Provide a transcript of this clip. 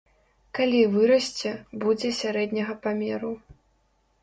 Калі вырасце, будзе сярэдняга памеру.